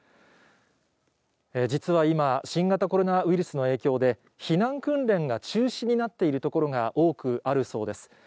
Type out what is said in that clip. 実は今、新型コロナウイルスの影響で、避難訓練が中止になっているところが多くあるそうです。